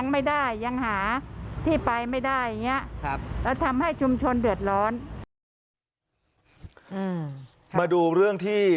มาดูเรื่องที่